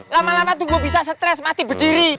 lama lama tuh gua bisa stres masih berdiri